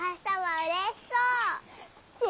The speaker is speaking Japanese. うれしそう。